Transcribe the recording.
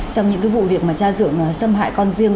trong những cái vụ việc mà cha dượng xâm hại con riêng